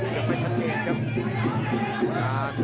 ยังไม่ชัดเจนครับ